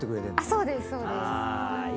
そうですそうです。